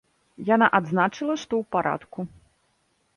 Яна адзначыла, што ў парадку.